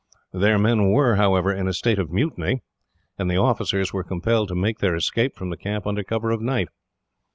Their men were, however, in a state of mutiny, and the officers were compelled to make their escape from the camp under cover of night.